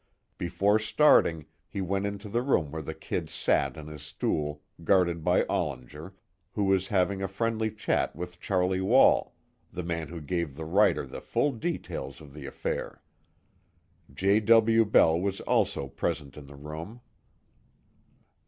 Before starting, he went into the room where the "Kid" sat on his stool, guarded by Ollinger, who was having a friendly chat with Charlie Wall the man who gave the writer the full details of the affair. J. W. Bell was also present in the room.